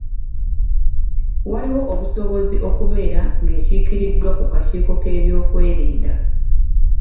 Waliwo obusobozi okubeera ng’ekiikiriddwa ku kakiiko k’ebyokwerinda.